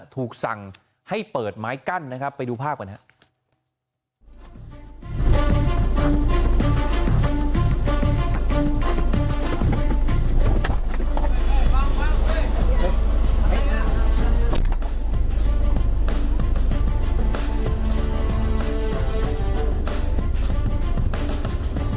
ถูกสั่งให้เปิดไม้กั้นนะครับไปดูภาพกันครับ